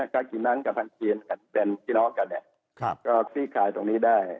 ถ้ากินนั้นกับพันธุ์จีนเป็นพี่น้องกันก็คลี่คลายตรงนี้ได้